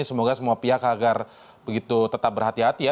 semoga semua pihak agar begitu tetap berhati hati ya